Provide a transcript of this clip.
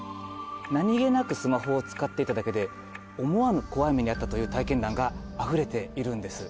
なにげなくスマホを使っていただけで思わぬ怖い目に遭ったという体験談があふれているんです。